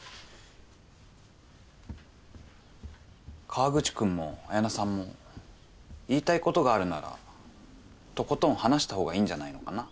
河口君も綾菜さんも言いたいことがあるならとことん話した方がいいんじゃないのかな？